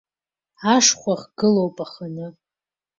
Ашхәа хгылоуп аханы.